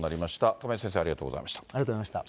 亀井先生、ありがとうございました。